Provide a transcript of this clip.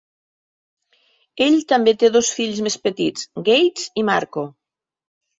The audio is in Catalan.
Ell també té dos fills més petits, Gates i Marco.